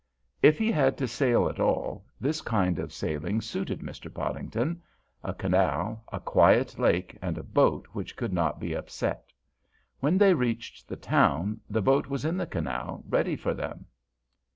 If he had to sail at all, this kind of sailing suited Mr. Podington. A canal, a quiet lake, and a boat which could not be upset. When they reached the town the boat was in the canal, ready for them.